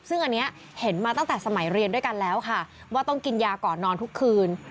ซึ่งอันนี้เห็นมาตั้งแต่สมัยเรียนด้วยกันแล้วค่ะว่าต้องกินยาก่อนนอนทุกคืน